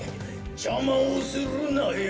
「じゃまをするなよ